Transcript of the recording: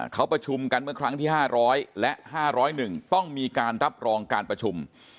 เขาประชุมกันเมื่อครั้งที่๕๐๐และ๕๐๑ต้องมีการรับรองการประชุม